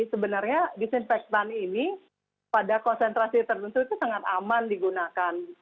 sebenarnya disinfektan ini pada konsentrasi tertentu itu sangat aman digunakan